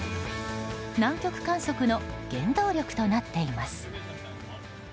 南極観測の原動力となっています。